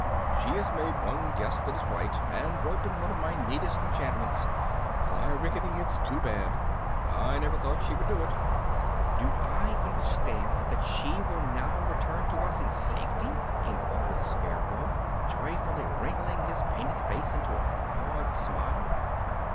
"She has made one guess that is right, and broken one of my neatest enchantments. By ricketty, it's too bad! I never thought she would do it." "Do I understand that she will now return to us in safety?" enquired the Scarecrow, joyfully wrinkling his painted face into a broad smile.